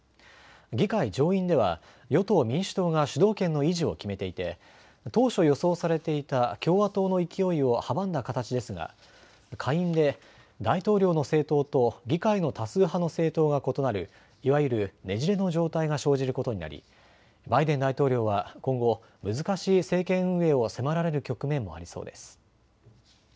議会上院では与党・民主党が主導権の維持を決めていて当初予想されていた共和党の勢いを阻んだ形ですが、下院で大統領の政党と議会の多数派の政党が異なるいわゆるねじれの状態が生じることになりバイデン大統領は今後、難しい政権運営を迫られる局面もありそうです。